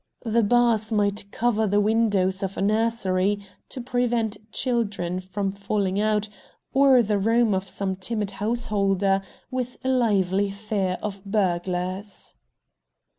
The bars might cover the windows of a nursery to prevent children from falling out, or the room of some timid householder with a lively fear of burglars.